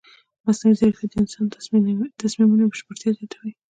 مصنوعي ځیرکتیا د انساني تصمیمونو بشپړتیا زیاتوي.